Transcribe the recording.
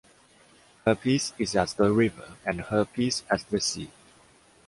Her peace is as the river, and her peace as the sea.